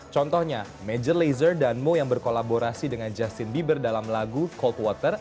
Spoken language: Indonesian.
contohnya major lazer dan mo yang berkolaborasi dengan justin bieber dalam lagu cold water